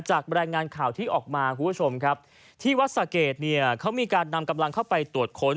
รายงานข่าวที่ออกมาคุณผู้ชมครับที่วัดสะเกดเนี่ยเขามีการนำกำลังเข้าไปตรวจค้น